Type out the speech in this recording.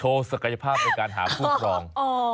ศักยภาพในการหาผู้ครอง